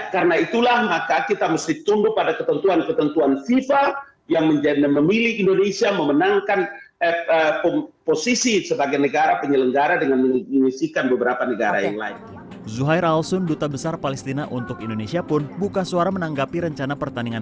karena itulah maka kita mesti tunggu pada ketentuan ketentuan fifa yang memilih indonesia memenangkan posisi sebagai negara penyelenggara dengan menunisikan beberapa negara yang lain